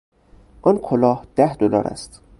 آن کلاه ده دلار است